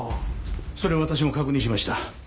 それは私も確認しました。